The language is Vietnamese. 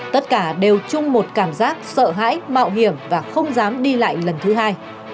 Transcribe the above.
tất cả đều chung một cảm giác sợ hãi mạo hiểm và không dám đi lại lần thứ hai